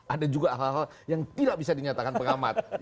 ada juga hal hal yang tidak bisa dinyatakan pengamat